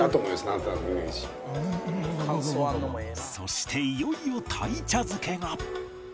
そしていよいよ鯛茶漬けが